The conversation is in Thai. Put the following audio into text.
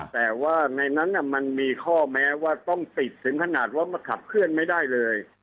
แต่ว่าในนั้นมันมีข้อแม้ว่าต้องติดถึงขนาดว่ามาขับเคลื่อนไม่ได้เลย